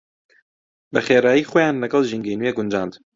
بەخێرایی خۆیان لەگەڵ ژینگەی نوێ گونجاند.